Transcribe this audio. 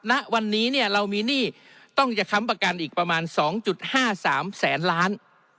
ณวันนี้เนี่ยเรามีหนี้ต้องจะค้ำประกันอีกประมาณ๒๕๓แสนล้าน